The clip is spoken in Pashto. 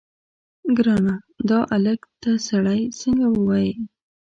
ګرانه دا الک ته سړی څنګه ووايي.